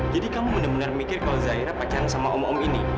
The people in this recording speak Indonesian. jadi kamu benar benar mikir kalau zahira pacaran sama om om ini